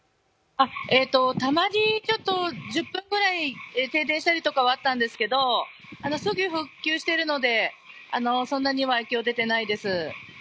たまに、１０分ぐらい停電したりとかはあったんですけど、すぐ復旧しているのでそんなには影響はないです。